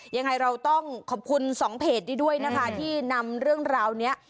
ยังไงเราต้องขอบคุณสองเพจนี้ด้วยนะคะที่นำเรื่องราวนี้